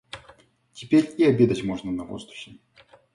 Теперь и обедать можно на воздухе.